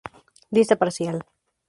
Lista parcial